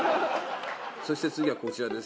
そして次はこちらです。